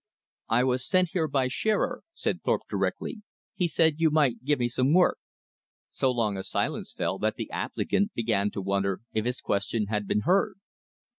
"I was sent here by Shearer," said Thorpe directly; "he said you might give me some work." So long a silence fell that the applicant began to wonder if his question had been heard.